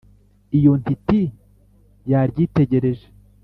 iyo ntiti yaryitegereje